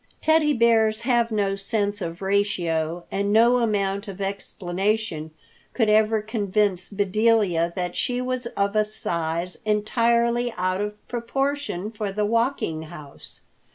Teddy Bears have no sense of ratio and no amount of explanation could ever convince Bedelia that she was of a size entirely out of proportion for the Walking House.